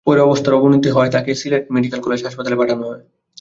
পরে অবস্থার অবনতি হওয়ায় তাঁকে সিলেট মেডিকেল কলেজ হাসপাতালে পাঠানো হয়।